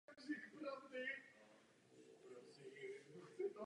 Vůbec poprvé v císařském námořnictvu tak byla použita taková teplota a tlak.